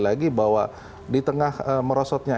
lagi bahwa di tengah merosotnya